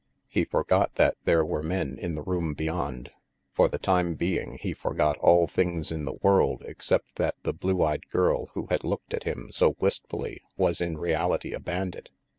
He forgot that there were men in the room beyond. For the time being he forgot all things in the world except that the blue eyed girl who had looked at him so wistfully was in reality a bandit.